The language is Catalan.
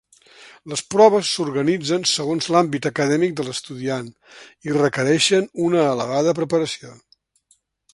Les proves s'organitzen segons l'àmbit acadèmic de l'estudiant i requereixen una elevada preparació.